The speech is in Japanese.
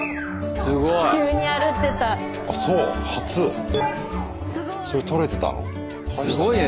すごいね。